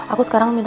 ada orang di depan